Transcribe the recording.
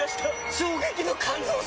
衝撃の感動作！